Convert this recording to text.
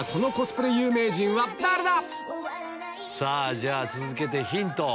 じゃあ続けてヒントを。